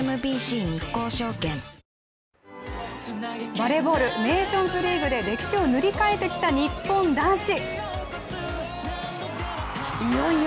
バレーボール、ネーションズリーグで歴史を塗り替えてきた日本男子。